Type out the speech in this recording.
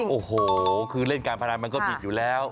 โอ้โหคือเล่นการพนันมันก็ผิดอยู่แล้ว